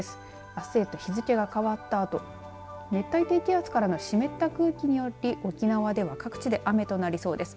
あすへと日付が変わったあと熱帯低気圧からの湿った空気により沖縄では各地で雨となりそうです。